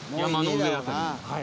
はい。